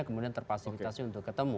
kemudian terfasilitasi untuk ketemu